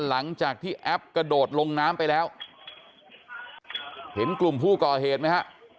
หลังจากที่แอปกระโดดลงน้ำไปแล้วเห็นกลุ่มผู้ก่อเหตุไหมฮะ